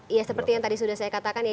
ya seperti yang tadi sudah saya katakan ya